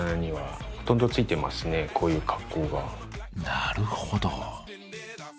なるほど。